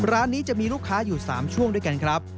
ร้านนี้จะมีลูกค้าอยู่๓ช่วงด้วยกันครับ